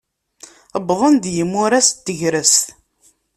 Uwḍen-d yimuras n tegrest.